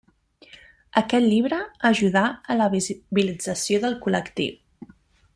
Aquest llibre ajudà a la visibilització del col·lectiu.